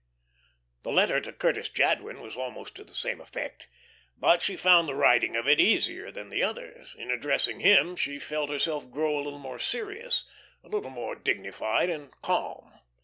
The letter to Curtis Jadwin was almost to the same effect. But she found the writing of it easier than the others. In addressing him she felt herself grow a little more serious, a little more dignified and calm.